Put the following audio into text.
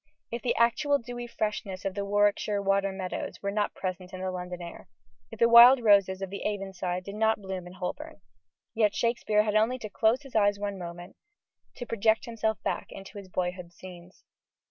If the actual dewy freshness of the Warwickshire water meadows were not present in the London air if the wild roses of the Avon side did not bloom in Holborn yet Shakespeare had only to close his eyes one moment, to project himself back into his boyhood's scenes.